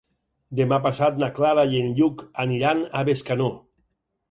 Demà passat na Clara i en Lluc aniran a Bescanó.